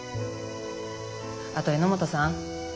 あと榎本さん